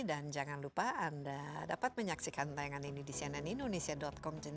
dan jangan lupa anda dapat menyaksikan tayangan ini di cnn indonesia com